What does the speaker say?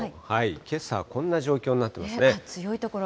けさ、こんな状況になっていますね。